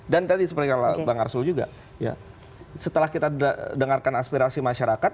tadi seperti kata bang arsul juga setelah kita dengarkan aspirasi masyarakat